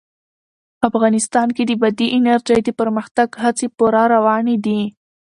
افغانستان کې د بادي انرژي د پرمختګ هڅې پوره روانې دي.